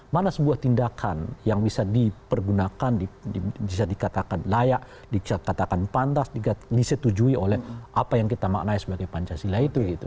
mana sebuah tindakan yang bisa dipergunakan bisa dikatakan layak dikatakan pantas disetujui oleh apa yang kita maknai sebagai pancasila itu